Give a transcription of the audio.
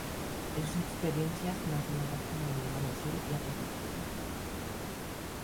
De sus experiencias, nacen obras como Debe amanecer y A pesar de todo.